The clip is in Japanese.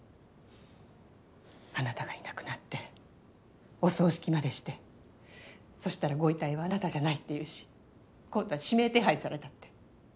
あなたがいなくなってお葬式までしてそしたらご遺体はあなたじゃないって言うし今度は指名手配されたって。